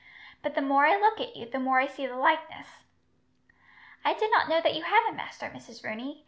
But the more I look at you, the more I see the likeness." "I did not know that you had a master, Mrs. Rooney.